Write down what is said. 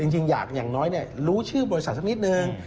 จริงอยากอย่างน้อยรู้ชื่อบริษัทสักนิดนึง